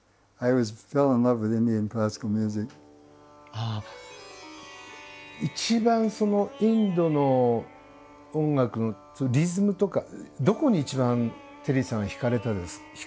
ああ一番そのインドの音楽のリズムとかどこに一番テリーさんは惹かれたんですかね。